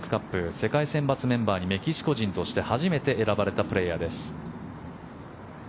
世界選抜メンバーにメキシコ人として初めて選ばれたプレーヤーです。